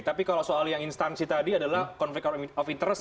tapi kalau soal yang instansi tadi adalah konflik of interest